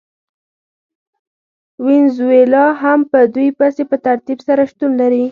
وینزویلا هم په دوی پسې په ترتیب سره شتون لري.